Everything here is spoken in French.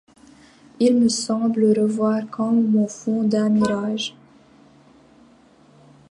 Il me semble revoir, comme au fond d'un mirage